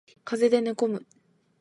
風邪で寝込む